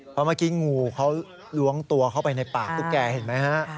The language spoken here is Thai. เพราะเมื่อกี้งูเขาล้วงตัวเข้าไปในปากตุ๊กแกเห็นไหมฮะ